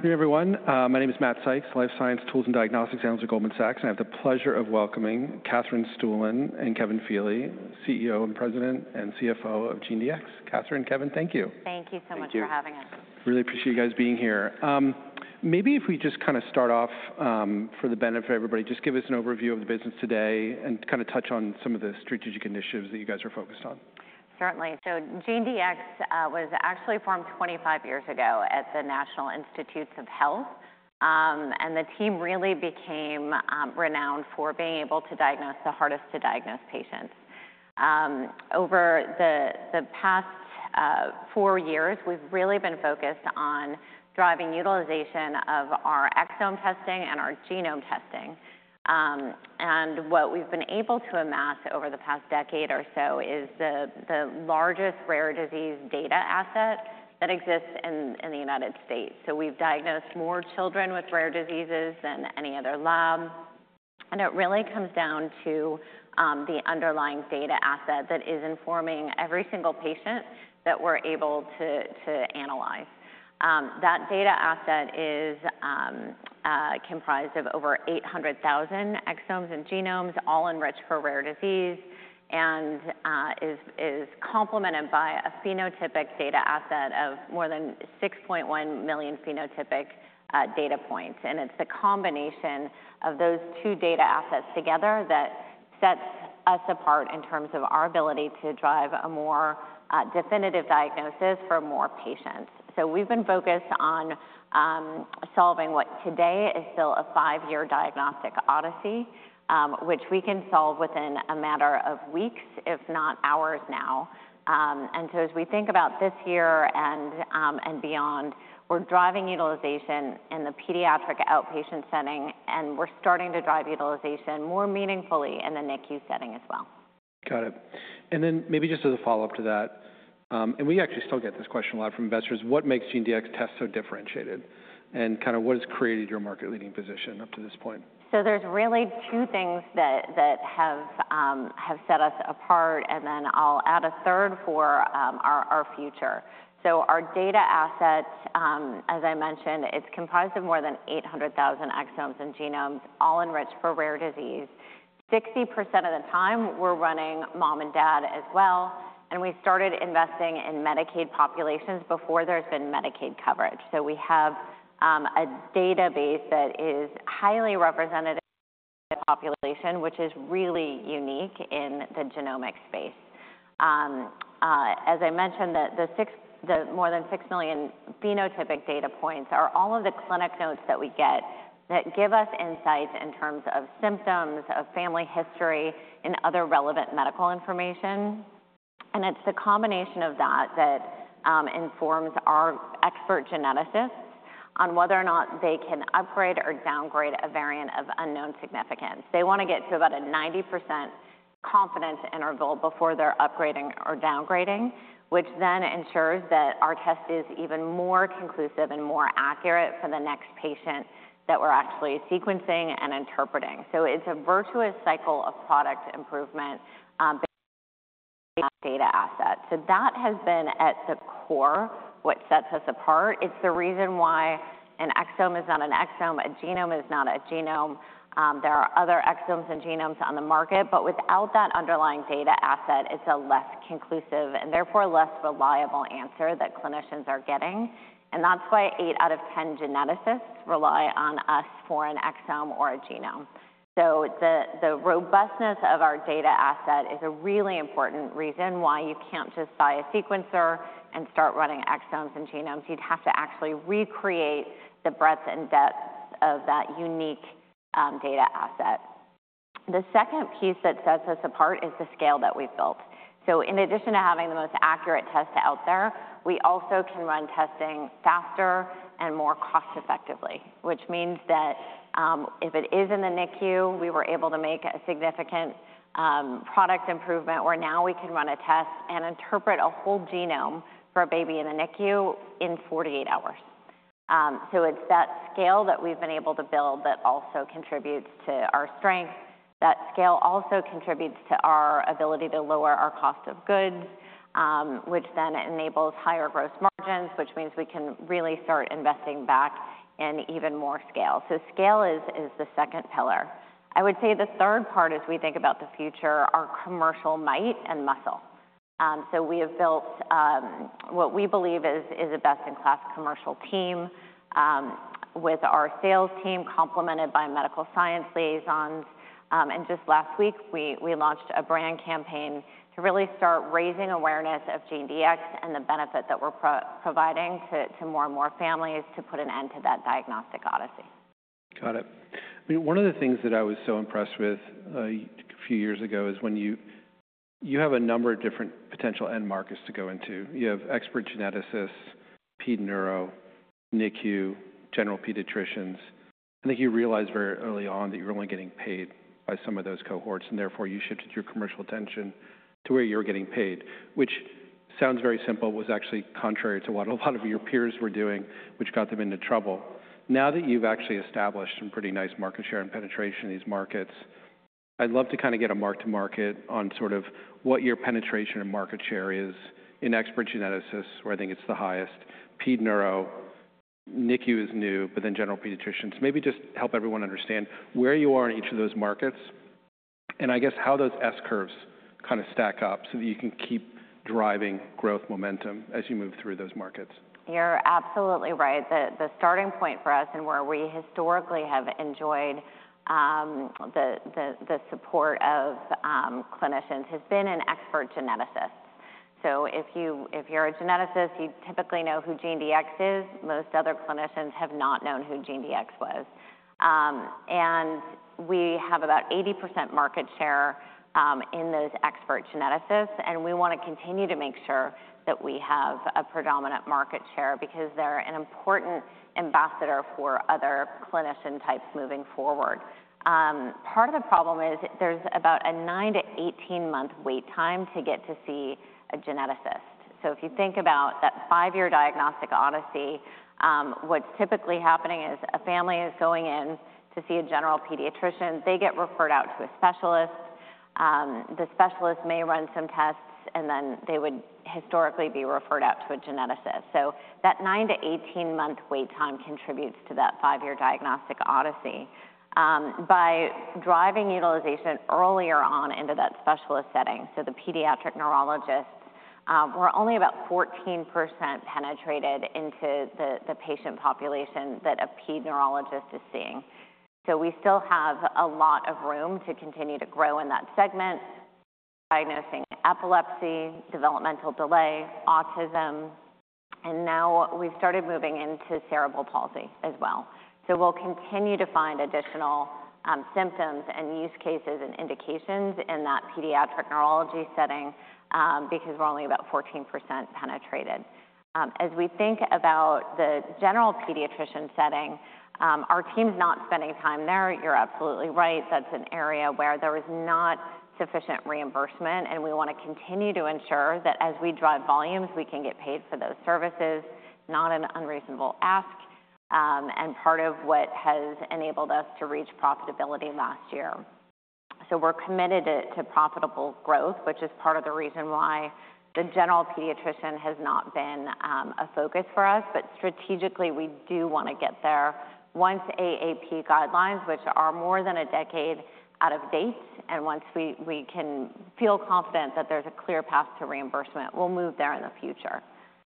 Good afternoon, everyone. My name is Matt Sykes, Life Science Tools and Diagnostics Analyst at Goldman Sachs. I have the pleasure of welcoming Katherine Stueland and Kevin Feeley, CEO and President and CFO of GeneDx. Katherine, Kevin, thank you. Thank you so much for having us. Thank you. Really appreciate you guys being here. Maybe if we just kind of start off, for the benefit of everybody, just give us an overview of the business today and kind of touch on some of the strategic initiatives that you guys are focused on. Certainly. GeneDx was actually formed 25 years ago at the National Institutes of Health. The team really became renowned for being able to diagnose the hardest to diagnose patients. Over the past four years, we've really been focused on driving utilization of our exome testing and our genome testing. What we've been able to amass over the past decade or so is the largest rare disease data asset that exists in the United States. We've diagnosed more children with rare diseases than any other lab. It really comes down to the underlying data asset that is informing every single patient that we're able to analyze. That data asset is comprised of over 800,000 exomes and genomes, all enriched for rare disease, and is complemented by a phenotypic data asset of more than 6.1 million phenotypic data points. It is the combination of those two data assets together that sets us apart in terms of our ability to drive a more definitive diagnosis for more patients. We have been focused on solving what today is still a five-year diagnostic odyssey, which we can solve within a matter of weeks, if not hours now. As we think about this year and beyond, we are driving utilization in the pediatric outpatient setting, and we are starting to drive utilization more meaningfully in the NICU setting as well. Got it. Maybe just as a follow-up to that, and we actually still get this question a lot from investors, what makes GeneDx test so differentiated? Kind of what has created your market-leading position up to this point? There are really two things that have set us apart, and then I'll add a third for our future. Our data asset, as I mentioned, is comprised of more than 800,000 exomes and genomes, all enriched for rare disease. 60% of the time, we're running mom and dad as well. We started investing in Medicaid populations before there has been Medicaid coverage. We have a database that is highly representative of the population, which is really unique in the genomic space. As I mentioned, the more than 6 million phenotypic data points are all of the clinic notes that we get that give us insights in terms of symptoms, family history, and other relevant medical information. It is the combination of that that informs our expert geneticists on whether or not they can upgrade or downgrade a variant of unknown significance. They want to get to about a 90% confidence interval before they're upgrading or downgrading, which then ensures that our test is even more conclusive and more accurate for the next patient that we're actually sequencing and interpreting. It's a virtuous cycle of product improvement based on data assets. That has been at the core what sets us apart. It's the reason why an exome is not an exome, a genome is not a genome. There are other exomes and genomes on the market, but without that underlying data asset, it's a less conclusive and therefore less reliable answer that clinicians are getting. That's why 8 out of 10 geneticists rely on us for an exome or a genome. The robustness of our data asset is a really important reason why you can't just buy a sequencer and start running exomes and genomes. You'd have to actually recreate the breadth and depth of that unique data asset. The second piece that sets us apart is the scale that we've built. In addition to having the most accurate tests out there, we also can run testing faster and more cost-effectively, which means that if it is in the NICU, we were able to make a significant product improvement where now we can run a test and interpret a whole genome for a baby in the NICU in 48 hours. It is that scale that we've been able to build that also contributes to our strength. That scale also contributes to our ability to lower our cost of goods, which then enables higher gross margins, which means we can really start investing back in even more scale. Scale is the second pillar. I would say the third part, as we think about the future, are commercial might and muscle. We have built what we believe is a best-in-class commercial team with our sales team complemented by medical science liaisons. Just last week, we launched a brand campaign to really start raising awareness of GeneDx and the benefit that we are providing to more and more families to put an end to that diagnostic odyssey. Got it. I mean, one of the things that I was so impressed with a few years ago is when you have a number of different potential end markets to go into. You have expert geneticists, ped neuro, NICU, general pediatricians. I think you realized very early on that you're only getting paid by some of those cohorts, and therefore you shifted your commercial attention to where you're getting paid, which sounds very simple, was actually contrary to what a lot of your peers were doing, which got them into trouble. Now that you've actually established some pretty nice market share and penetration in these markets, I'd love to kind of get a mark-to-market on sort of what your penetration and market share is in expert geneticists, where I think it's the highest. Ped neuro, NICU is new, but then general pediatricians. Maybe just help everyone understand where you are in each of those markets and I guess how those S-curves kind of stack up so that you can keep driving growth momentum as you move through those markets. You're absolutely right. The starting point for us and where we historically have enjoyed the support of clinicians has been in expert geneticists. If you're a geneticist, you typically know who GeneDx is. Most other clinicians have not known who GeneDx was. We have about 80% market share in those expert geneticists, and we want to continue to make sure that we have a predominant market share because they're an important ambassador for other clinician types moving forward. Part of the problem is there's about a 9-18 month wait time to get to see a geneticist. If you think about that five-year diagnostic odyssey, what's typically happening is a family is going in to see a general pediatrician. They get referred out to a specialist. The specialist may run some tests, and then they would historically be referred out to a geneticist. That 9-18 month wait time contributes to that five-year diagnostic odyssey by driving utilization earlier on into that specialist setting. The pediatric neurologists were only about 14% penetrated into the patient population that a ped neurologist is seeing. We still have a lot of room to continue to grow in that segment, diagnosing epilepsy, developmental delay, autism, and now we've started moving into cerebral palsy as well. We'll continue to find additional symptoms and use cases and indications in that pediatric neurology setting because we're only about 14% penetrated. As we think about the general pediatrician setting, our team's not spending time there. You're absolutely right. That's an area where there is not sufficient reimbursement, and we want to continue to ensure that as we drive volumes, we can get paid for those services, not an unreasonable ask, and part of what has enabled us to reach profitability last year. We are committed to profitable growth, which is part of the reason why the general pediatrician has not been a focus for us, but strategically, we do want to get there. Once AAP guidelines, which are more than a decade out of date, and once we can feel confident that there is a clear path to reimbursement, we will move there in the future.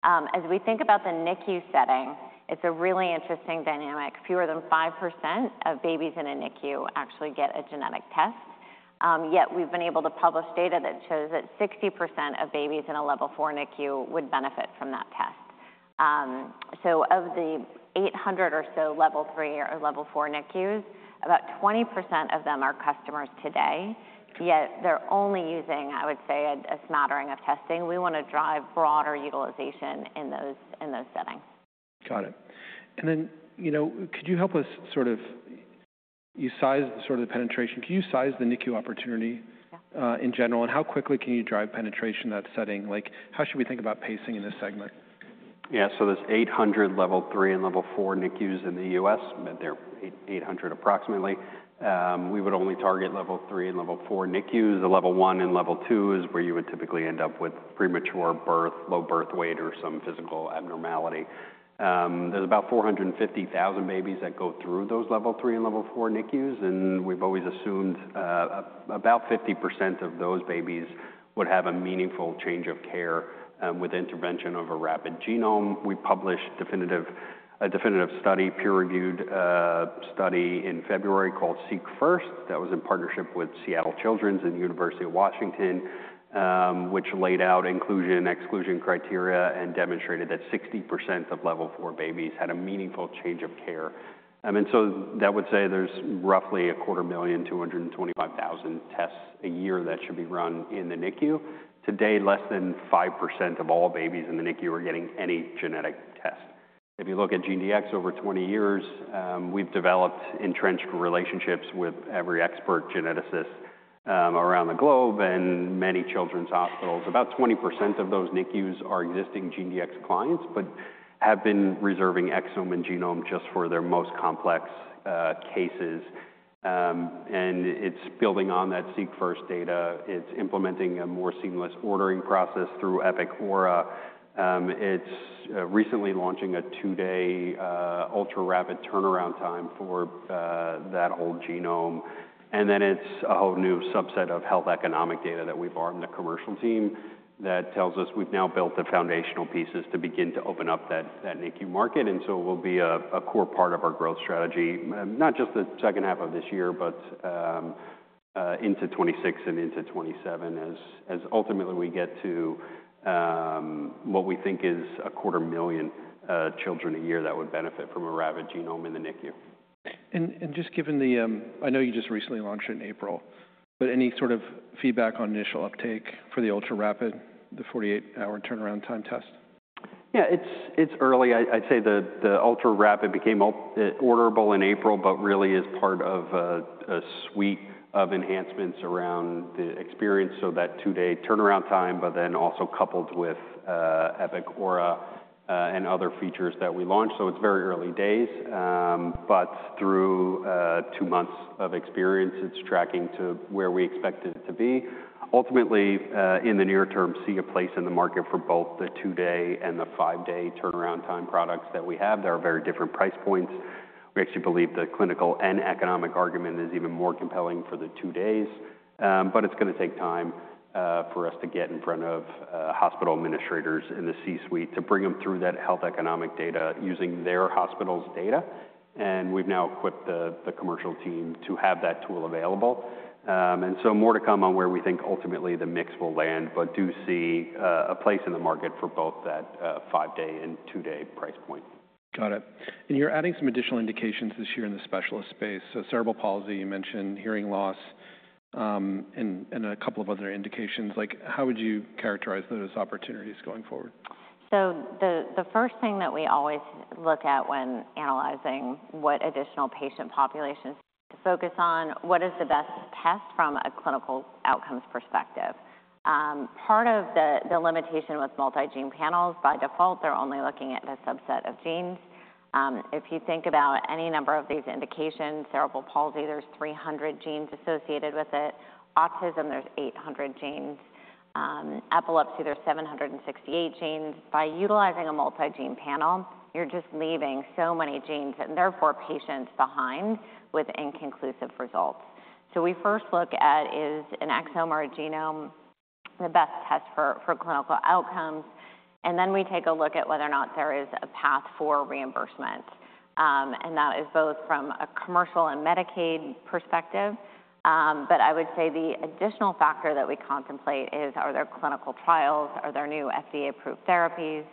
As we think about the NICU setting, it's really interesting dynamic of babies in a NICU actually get a genetic test. Yet we've been able to publish data that shows that 60% of babies in a level 4 NICU would benefit from that test. Of the 800 or so level 3 or level 4 NICUs, about 20% of them are customers today, yet they're only using, I would say, a smattering of testing. We want to drive broader utilization in those settings. Got it. Could you help us sort of you size sort of the penetration? Can you size the NICU opportunity in general, and how quickly can you drive penetration in that setting? How should we think about pacing in this segment? Yeah, so there's 800 level three and level four NICUs in the U.S. They're 800 approximately. We would only target level three and level four NICUs. The level one and level two is where you would typically end up with premature birth, low birth weight, or some physical abnormality. There's about 450,000 babies that go through those level three and level four NICUs, and we've always assumed about 50% of those babies would have a meaningful change of care with intervention of a rapid genome. We published a definitive study, peer-reviewed study in February called Seek First that was in partnership with Seattle Children's and the University of Washington, which laid out inclusion and exclusion criteria and demonstrated that 60% of level four babies had a meaningful change of care. That would say there's roughly a quarter million, 225,000 tests a year that should be run in the NICU. Today, less than 5% of all babies in the NICU are getting any genetic test. If you look at GeneDx over-20-years, we've developed entrenched relationships with every expert geneticist around the globe and many children's hospitals. About 20% of those NICUs are existing GeneDx clients, but have been reserving exome and genome just for their most complex cases. It's building on that Seek First data. It's implementing a more seamless ordering process through Epic Aura. It's recently launching a two-day ultra-rapid turnaround time for that whole genome. It's a whole new subset of health economic data that we've brought in the commercial team that tells us we've now built the foundational pieces to begin to open up that NICU market. It will be a core part of our growth strategy, not just the second half of this year, but into 2026 and into 2027, as ultimately we get to what we think is a quarter million children a year that would benefit from a rapid genome in the NICU. Just given the I know you just recently launched it in April, but any sort of feedback on initial uptake for the ultra-rapid, the 48-hour turnaround time test? Yeah, it's early. I'd say the ultra-rapid became orderable in April, but really is part of a suite of enhancements around the experience. That two-day turnaround time, but then also coupled with Epic Aura and other features that we launched. It's very early days, but through two months of experience, it's tracking to where we expect it to be. Ultimately, in the near term, see a place in the market for both the two-day and the five-day turnaround time products that we have. They're very different price points. We actually believe the clinical and economic argument is even more compelling for the two days, but it's going to take time for us to get in front of hospital administrators in the C-suite to bring them through that health economic data using their hospital's data. We've now equipped the commercial team to have that tool available. More to come on where we think ultimately the mix will land, but do see a place in the market for both that five-day and two-day price point. Got it. You're adding some additional indications this year in the specialist space. Cerebral palsy, you mentioned hearing loss and a couple of other indications. How would you characterize those opportunities going forward? The first thing that we always look at when analyzing what additional patient populations to focus on, what is the best test from a clinical outcomes perspective? Part of the limitation with multi-gene panels, by default, they're only looking at a subset of genes. If you think about any number of these indications, cerebral palsy, there's 300 genes associated with it. Autism, there's 800 genes. Epilepsy, there's 768 genes. By utilizing a multi-gene panel, you're just leaving so many genes and therefore patients behind with inconclusive results. We first look at, is an exome or a genome the best test for clinical outcomes? Then we take a look at whether or not there is a path for reimbursement. That is both from a commercial and Medicaid perspective. I would say the additional factor that we contemplate is, are there clinical trials? Are there new FDA-approved therapies?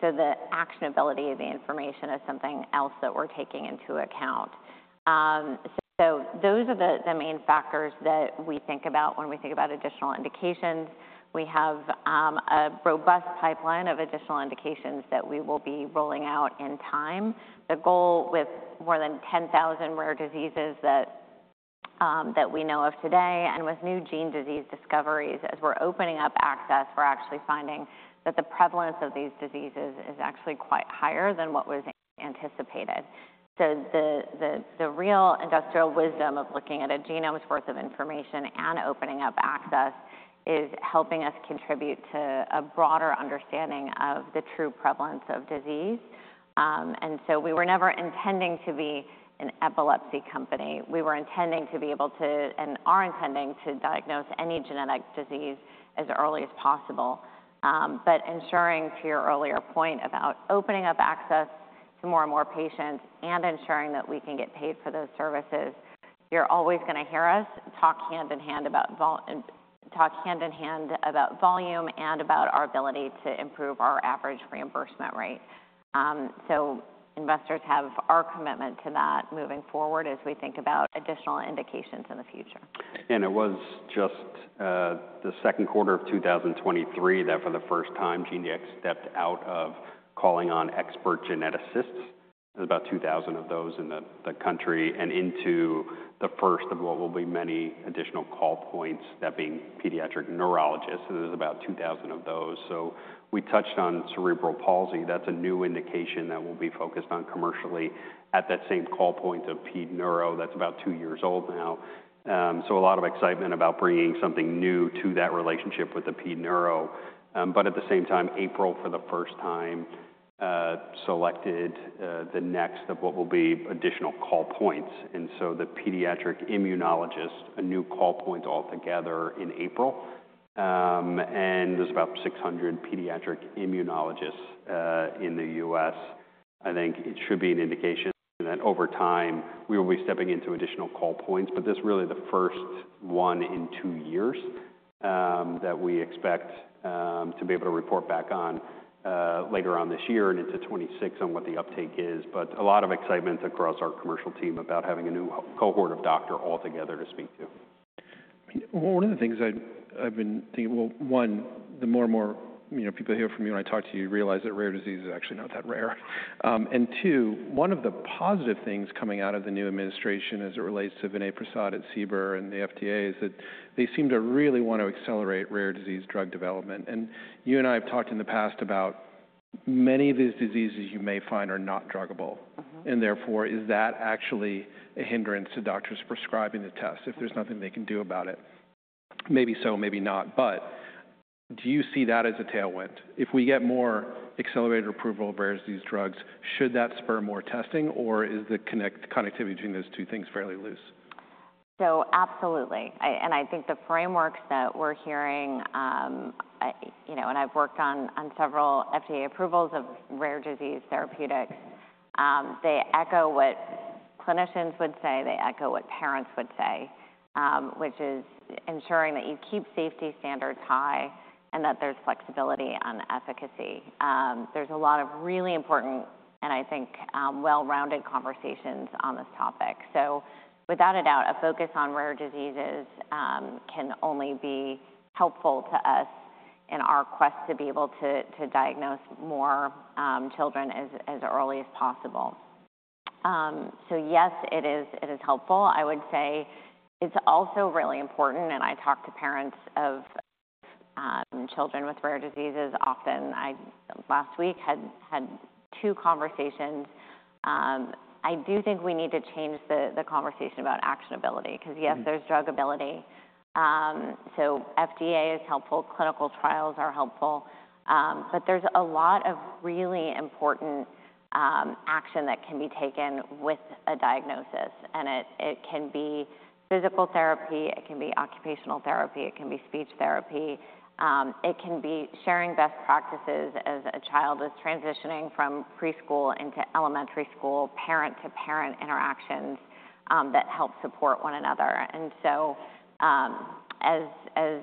The actionability of the information is something else that we're taking into account. Those are the main factors that we think about when we think about additional indications. We have a robust pipeline of additional indications that we will be rolling out in time. The goal with more than 10,000 rare diseases that we know of today and with new gene disease discoveries, as we're opening up access, we're actually finding that the prevalence of these diseases is actually quite higher than what was anticipated. The real industrial wisdom of looking at a genome's worth of information and opening up access is helping us contribute to a broader understanding of the true prevalence of disease. We were never intending to be an epilepsy company. We were intending to be able to and are intending to diagnose any genetic disease as early as possible. Ensuring, to your earlier point about opening up access to more and more patients and ensuring that we can get paid for those services, you're always going to hear us talk hand in hand about volume and about our ability to improve our average reimbursement rate. Investors have our commitment to that moving forward as we think about additional indications in the future. It was just the second quarter of 2023 that for the first time GeneDx stepped out of calling on expert geneticists. There are about 2,000 of those in the country and into the first of what will be many additional call points, that being pediatric neurologists. There are about 2,000 of those. We touched on cerebral palsy. That is a new indication that will be focused on commercially at that same call point of ped neuro. That is about two years old now. A lot of excitement about bringing something new to that relationship with the ped neuro. At the same time, April for the first time selected the next of what will be additional call points. The pediatric immunologist, a new call point altogether in April. There are about 600 pediatric immunologists in the U.S. I think it should be an indication that over time we will be stepping into additional call points, but this is really the first one in two years that we expect to be able to report back on later on this year and into 2026 on what the uptake is. A lot of excitement across our commercial team about having a new cohort of doctor altogether to speak to. One of the things I've been thinking, one, the more and more people hear from you when I talk to you, you realize that rare disease is actually not that rare. Two, one of the positive things coming out of the new administration as it relates to Vinay Prasad at CBER and the FDA is that they seem to really want to accelerate rare disease drug development. You and I have talked in the past about many of these diseases you may find are not druggable. Therefore, is that actually a hindrance to doctors prescribing the test if there's nothing they can do about it? Maybe so, maybe not, but do you see that as a tailwind? If we get more accelerated approval of rare disease drugs, should that spur more testing, or is the connectivity between those two things fairly loose? Absolutely. I think the frameworks that we're hearing, and I've worked on several FDA approvals of rare disease therapeutics, they echo what clinicians would say. They echo what parents would say, which is ensuring that you keep safety standards high and that there's flexibility on efficacy. There are a lot of really important and I think well-rounded conversations on this topic. Without a doubt, a focus on rare diseases can only be helpful to us in our quest to be able to diagnose more children as early as possible. Yes, it is helpful. I would say it's also really important, and I talk to parents of children with rare diseases often. Last week had two conversations. I do think we need to change the conversation about actionability because yes, there's druggability. FDA is helpful. Clinical trials are helpful, but there's a lot of really important action that can be taken with a diagnosis. It can be physical therapy. It can be occupational therapy. It can be speech therapy. It can be sharing best practices as a child is transitioning from preschool into elementary school, parent-to-parent interactions that help support one another. As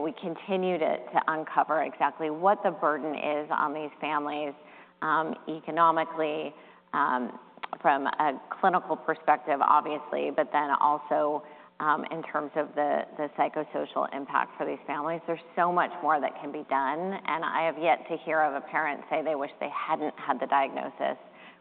we continue to uncover exactly what the burden is on these families economically from a clinical perspective, obviously, but then also in terms of the psychosocial impact for these families, there's so much more that can be done. I have yet to hear of a parent say they wish they hadn't had the diagnosis.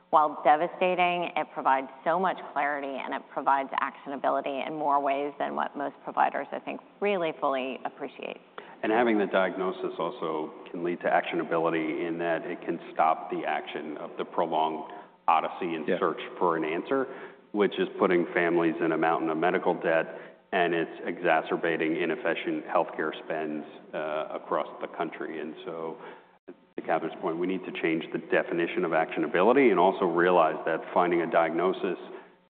While devastating, it provides so much clarity, and it provides actionability in more ways than what most providers, I think, really fully appreciate. Having the diagnosis also can lead to actionability in that it can stop the action of the prolonged odyssey and search for an answer, which is putting families in a mountain of medical debt, and it is exacerbating inefficient healthcare spends across the country. To Katherine's point, we need to change the definition of actionability and also realize that finding a diagnosis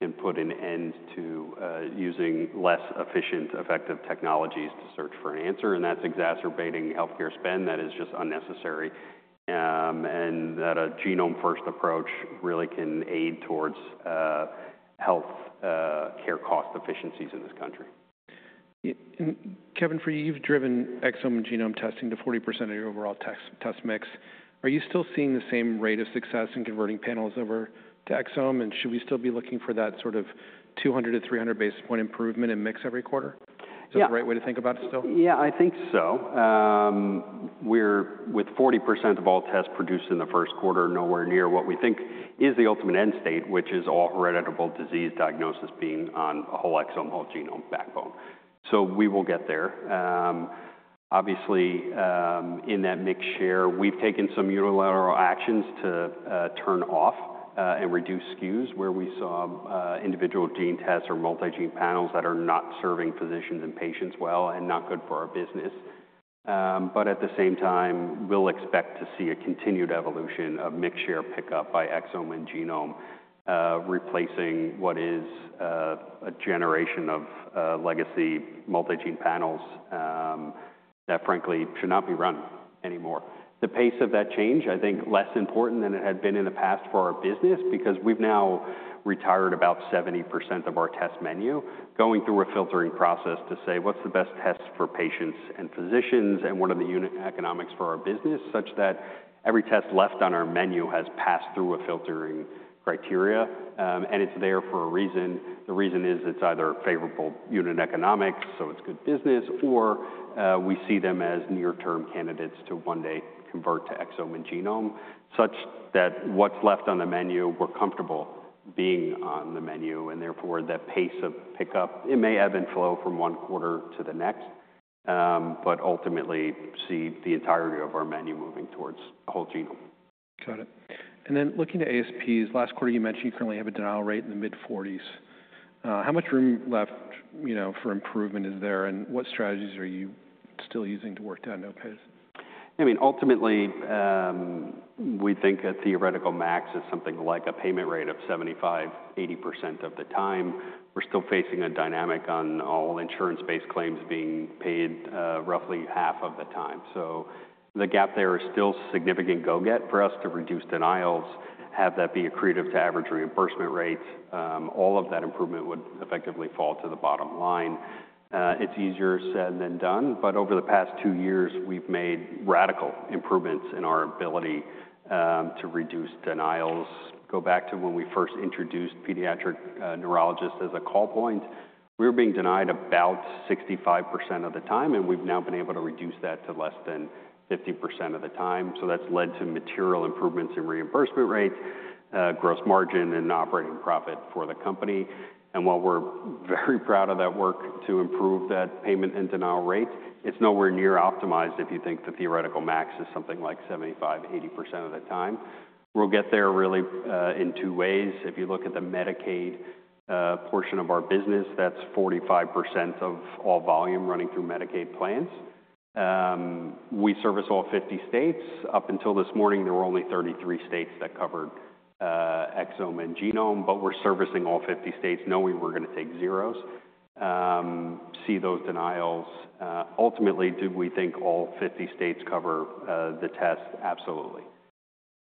can put an end to using less efficient, effective technologies to search for an answer. That is exacerbating healthcare spend that is just unnecessary and that a genome-first approach really can aid towards healthcare cost efficiencies in this country. Kevin, for you, you've driven exome and genome testing to 40% of your overall test mix. Are you still seeing the same rate of success in converting panels over to exome? Should we still be looking for that sort of 200-300 basis point improvement in mix every quarter? Is that the right way to think about it still? Yeah, I think so. With 40% of all tests produced in the first quarter, nowhere near what we think is the ultimate end state, which is all hereditable disease diagnosis being on a whole exome, whole genome backbone. We will get there. Obviously, in that mixed share, we've taken some unilateral actions to turn off and reduce SKUs where we saw individual gene tests or multi-gene panels that are not serving physicians and patients well and not good for our business. At the same time, we'll expect to see a continued evolution of mixed share pickup by exome and genome, replacing what is a generation of legacy multi-gene panels that, frankly, should not be run anymore. The pace of that change, I think, is less important than it had been in the past for our business because we've now retired about 70% of our test menu, going through a filtering process to say, what's the best test for patients and physicians and what are the unit economics for our business, such that every test left on our menu has passed through a filtering criteria. It is there for a reason. The reason is it's either favorable unit economics, so it's good business, or we see them as near-term candidates to one day convert to exome and genome, such that what's left on the menu, we're comfortable being on the menu. Therefore, that pace of pickup, it may ebb and flow from one quarter to the next, but ultimately see the entirety of our menu moving towards a whole genome. Got it. And then looking to ASPs, last quarter, you mentioned you currently have a denial rate in the mid-40%. How much room left for improvement is there, and what strategies are you still using to work down no-pays? I mean, ultimately, we think a theoretical max is something like a payment rate of 75-80% of the time. We're still facing a dynamic on all insurance-based claims being paid roughly half of the time. The gap there is still significant go-get for us to reduce denials, have that be accretive to average reimbursement rates. All of that improvement would effectively fall to the bottom line. It's easier said than done, but over the past two years, we've made radical improvements in our ability to reduce denials. Go back to when we first introduced pediatric neurologists as a call point, we were being denied about 65% of the time, and we've now been able to reduce that to less than 50% of the time. That has led to material improvements in reimbursement rates, gross margin, and operating profit for the company. While we're very proud of that work to improve that payment and denial rate, it's nowhere near optimized if you think the theoretical max is something like 75-80% of the time. We'll get there really in two ways. If you look at the Medicaid portion of our business, that's 45% of all volume running through Medicaid plans. We service all 50 states. Up until this morning, there were only 33 states that covered exome and genome, but we're servicing all 50 states. Knowing we're going to take zeros, see those denials. Ultimately, do we think all 50 states cover the test? Absolutely.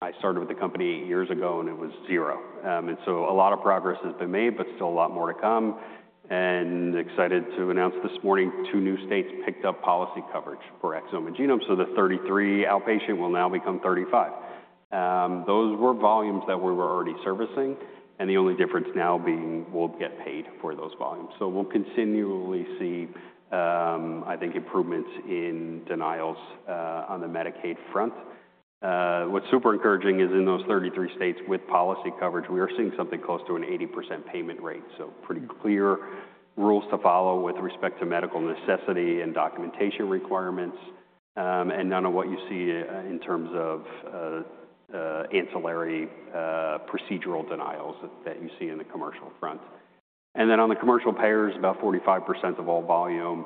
I started with the company eight years ago, and it was zero. A lot of progress has been made, but still a lot more to come. Excited to announce this morning, two new states picked up policy coverage for exome and genome. The 33 outpatient will now become 35. Those were volumes that we were already servicing, and the only difference now being we'll get paid for those volumes. We'll continually see, I think, improvements in denials on the Medicaid front. What's super encouraging is in those 33 states with policy coverage, we are seeing something close to an 80% payment rate. Pretty clear rules to follow with respect to medical necessity and documentation requirements, and none of what you see in terms of ancillary procedural denials that you see in the commercial front. On the commercial payers, about 45% of all volume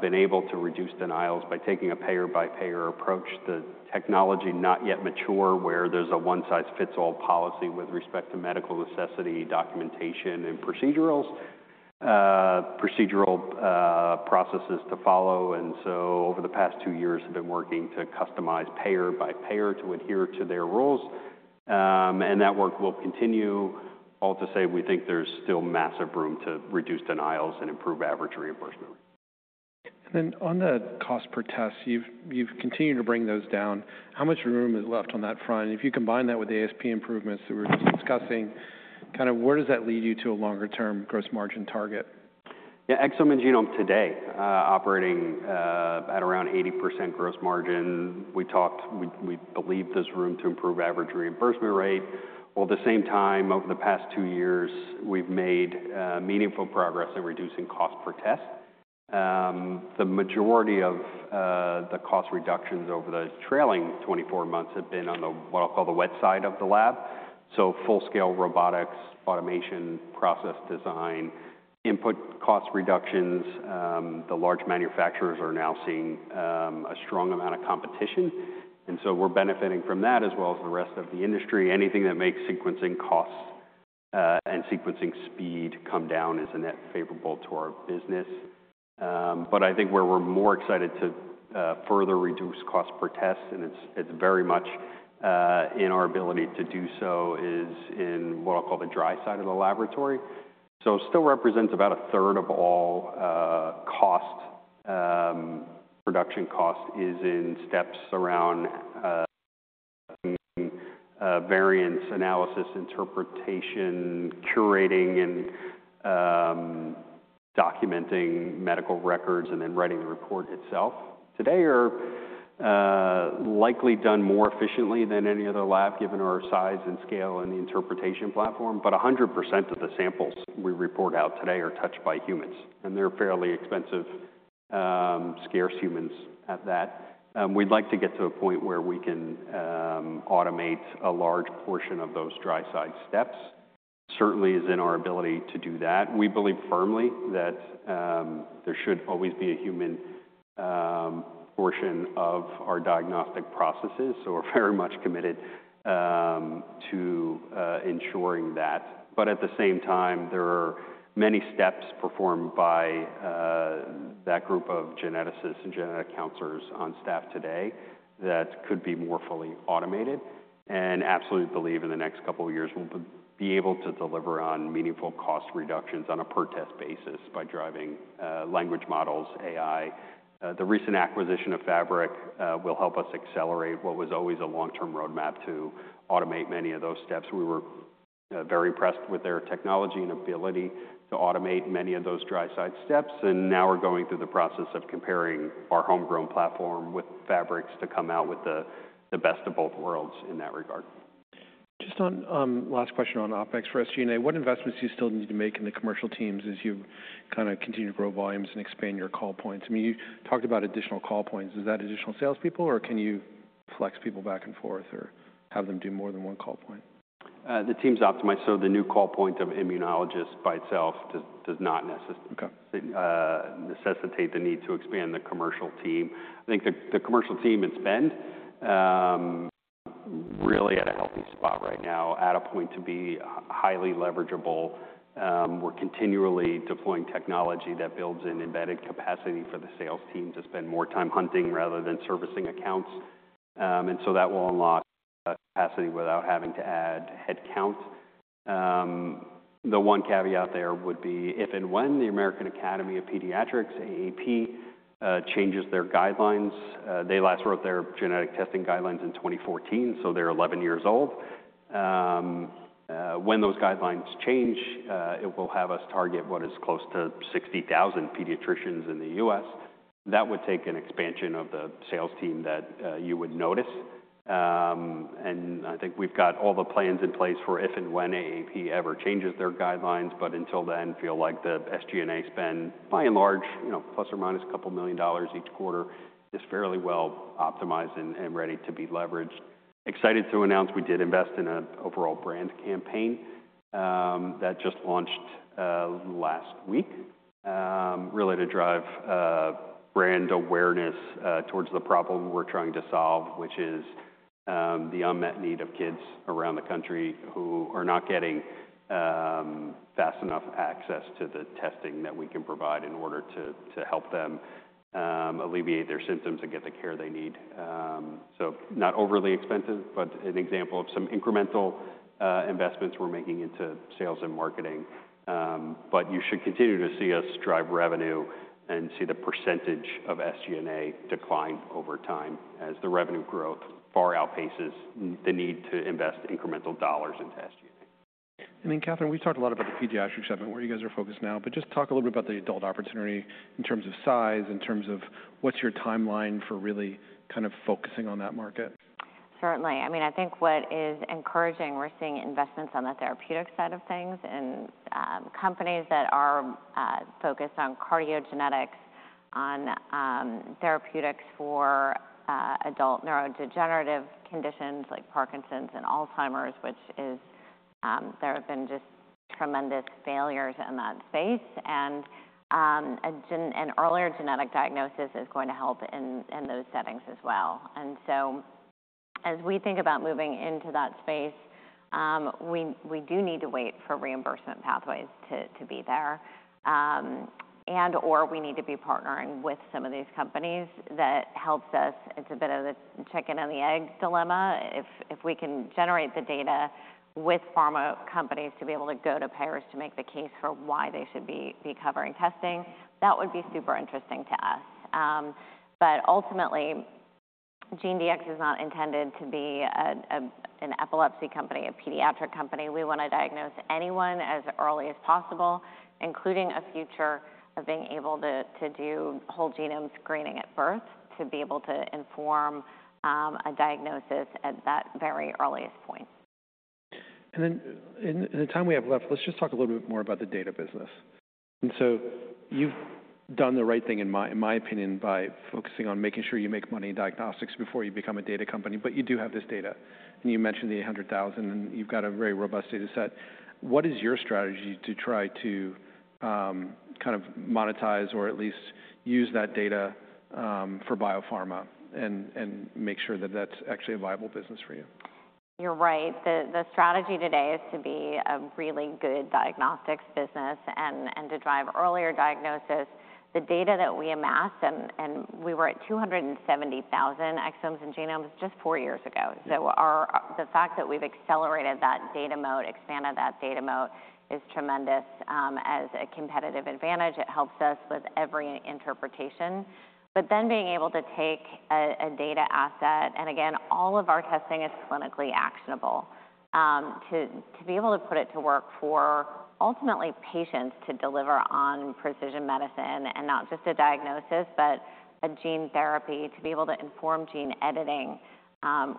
been able to reduce denials by taking a payer-by-payer approach. The technology not yet mature where there's a one-size-fits-all policy with respect to medical necessity, documentation, and procedural processes to follow. Over the past two years, have been working to customize payer-by-payer to adhere to their rules. That work will continue. All to say, we think there's still massive room to reduce denials and improve average reimbursement. On the cost per test, you've continued to bring those down. How much room is left on that front? If you combine that with ASP improvements that we were just discussing, kind of where does that lead you to a longer-term gross margin target? Yeah, exome and genome today operating at around 80% gross margin. We talked, we believe there's room to improve average reimbursement rate. At the same time, over the past two years, we've made meaningful progress in reducing cost per test. The majority of the cost reductions over the trailing 24 months have been on what I'll call the wet side of the lab. Full-scale robotics, automation, process design, input cost reductions, the large manufacturers are now seeing a strong amount of competition. We're benefiting from that as well as the rest of the industry. Anything that makes sequencing costs and sequencing speed come down is a net favorable to our business. I think where we're more excited to further reduce cost per test, and it's very much in our ability to do so, is in what I'll call the dry side of the laboratory. Still represents about a third of all cost. Production cost is in steps around variance analysis, interpretation, curating, and documenting medical records, and then writing the report itself. Today are likely done more efficiently than any other lab given our size and scale and the interpretation platform, but 100% of the samples we report out today are touched by humans, and they're fairly expensive, scarce humans at that. We'd like to get to a point where we can automate a large portion of those dry side steps. Certainly, is in our ability to do that. We believe firmly that there should always be a human portion of our diagnostic processes. We're very much committed to ensuring that. At the same time, there are many steps performed by that group of geneticists and genetic counselors on staff today that could be more fully automated. I absolutely believe in the next couple of years, we'll be able to deliver on meaningful cost reductions on a per-test basis by driving language models, AI. The recent acquisition of Fabric will help us accelerate what was always a long-term roadmap to automate many of those steps. We were very impressed with their technology and ability to automate many of those dry side steps. Now we're going through the process of comparing our homegrown platform with Fabric's to come out with the best of both worlds in that regard. Just on last question on OpEx for SG&A, what investments do you still need to make in the commercial teams as you kind of continue to grow volumes and expand your call points? I mean, you talked about additional call points. Is that additional salespeople, or can you flex people back and forth or have them do more than one call point? The team's optimized. The new call point of immunologists by itself does not necessitate the need to expand the commercial team. I think the commercial team and spend really at a healthy spot right now, at a point to be highly leverageable. We're continually deploying technology that builds in embedded capacity for the sales team to spend more time hunting rather than servicing accounts. That will unlock capacity without having to add headcount. The one caveat there would be if and when the American Academy of Pediatrics, AAP, changes their guidelines. They last wrote their genetic testing guidelines in 2014, so they're 11 years old. When those guidelines change, it will have us target what is close to 60,000 pediatricians in the U.S. That would take an expansion of the sales team that you would notice. I think we've got all the plans in place for if and when AAP ever changes their guidelines, but until then, feel like the SG&A spend, by and large, plus or minus a couple million dollars each quarter, is fairly well optimized and ready to be leveraged. Excited to announce we did invest in an overall brand campaign that just launched last week, really to drive brand awareness towards the problem we're trying to solve, which is the unmet need of kids around the country who are not getting fast enough access to the testing that we can provide in order to help them alleviate their symptoms and get the care they need. Not overly expensive, but an example of some incremental investments we're making into sales and marketing. You should continue to see us drive revenue and see the percentage of SG&A decline over time as the revenue growth far outpaces the need to invest incremental dollars into SG&A. I mean, Katherine, we've talked a lot about the pediatrics segment, where you guys are focused now, but just talk a little bit about the adult opportunity in terms of size, in terms of what's your timeline for really kind of focusing on that market? Certainly. I mean, I think what is encouraging, we're seeing investments on the therapeutic side of things and companies that are focused on cardiogenetics, on therapeutics for adult neurodegenerative conditions like Parkinson's and Alzheimer's, which is there have been just tremendous failures in that space. An earlier genetic diagnosis is going to help in those settings as well. As we think about moving into that space, we do need to wait for reimbursement pathways to be there, and/or we need to be partnering with some of these companies that helps us. It's a bit of the chicken and the egg dilemma. If we can generate the data with pharma companies to be able to go to payers to make the case for why they should be covering testing, that would be super interesting to us. Ultimately, GeneDx is not intended to be an epilepsy company, a pediatric company. We want to diagnose anyone as early as possible, including a future of being able to do whole genome screening at birth to be able to inform a diagnosis at that very earliest point. In the time we have left, let's just talk a little bit more about the data business. You have done the right thing, in my opinion, by focusing on making sure you make money in diagnostics before you become a data company, but you do have this data. You mentioned the 800,000, and you have got a very robust data set. What is your strategy to try to kind of monetize or at least use that data for biopharma and make sure that that is actually a viable business for you? You're right. The strategy today is to be a really good diagnostics business and to drive earlier diagnosis. The data that we amassed, and we were at 270,000 exomes and genomes just four years ago. The fact that we've accelerated that data moat, expanded that data moat is tremendous as a competitive advantage. It helps us with every interpretation. Being able to take a data asset, and again, all of our testing is clinically actionable, to be able to put it to work for ultimately patients to deliver on precision medicine and not just a diagnosis, but a gene therapy, to be able to inform gene editing,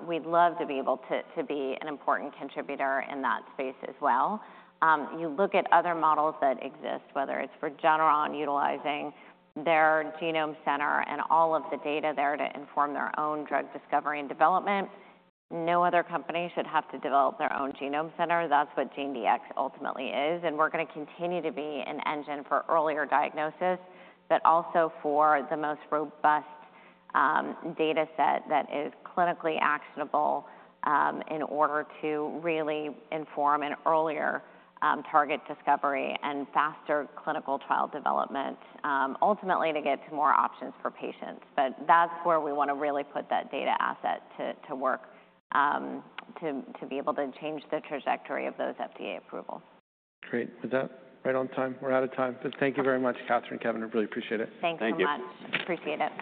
we'd love to be able to be an important contributor in that space as well. You look at other models that exist, whether it's for Regeneron utilizing their genome center and all of the data there to inform their own drug discovery and development. No other company should have to develop their own genome center. That's what GeneDx ultimately is. We are going to continue to be an engine for earlier diagnosis, but also for the most robust data set that is clinically actionable in order to really inform an earlier target discovery and faster clinical trial development, ultimately to get to more options for patients. That is where we want to really put that data asset to work to be able to change the trajectory of those FDA approvals. Great. Was that right on time? We are out of time. Thank you very much, Katherine and Kevin. I really appreciate it. Thanks so much. Appreciate it.